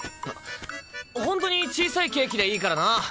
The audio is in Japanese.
本当に小さいケーキでいいからな！